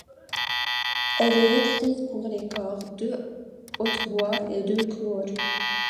Elle est écrite pour les cordes, deux hautbois et deux cors.